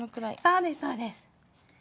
そうですそうです。